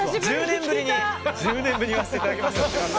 １０年ぶりに言わせていただきました。